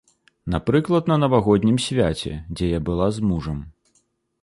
Напрыклад, на навагоднім свяце, дзе я была з мужам.